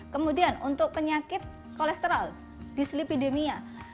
kemudian untuk penyakit kolesterol dislipidemia